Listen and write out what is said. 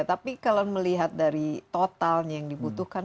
tapi kalau melihat dari totalnya yang dibutuhkan